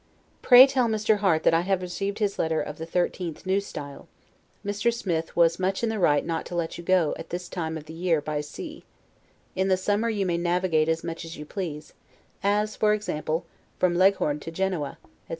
Pray tell Mr. Harte that I have received his letter of the 13th, N. S. Mr. Smith was much in the right not to let you go, at this time of the year, by sea; in the summer you may navigate as much as you please; as, for example, from Leghorn to Genoa, etc.